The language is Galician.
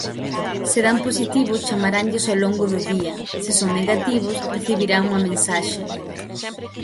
Se dan positivo chamaranlles ao longo do día, se son negativos recibirán unha mensaxe.